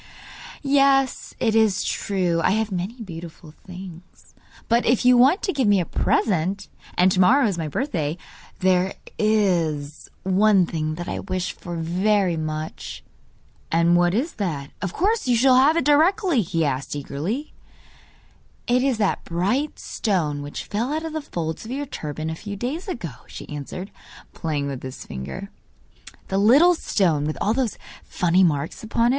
'Yes, it is true I have many beautiful things; but if you want to give me a present and to morrow is my birthday there IS one thing that I wish for very much.' 'And what is that? Of course you shall have it directly!' he asked eagerly. 'It is that bright stone which fell out of the folds of your turban a few days ago,' she answered, playing with his finger; 'the little stone with all those funny marks upon it.